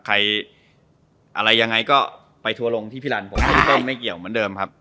อะไรยังไงก็ไปทัวร์ตรงที่พบพี่รันต้องไม่เกี่ยวเหมือนเดิมครับ